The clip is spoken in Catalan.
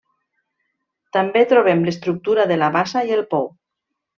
També trobem l'estructura de la bassa i el pou.